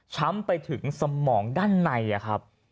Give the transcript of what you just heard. ไปถึงสมองด้านในครับ